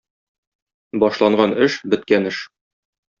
Бaшлaнгaн эш – бeткән эш.